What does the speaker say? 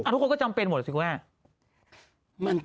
ทุกคนก็จำเป็นหมดสิเบ้ย